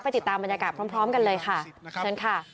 ติดตามบรรยากาศพร้อมกันเลยค่ะเชิญค่ะ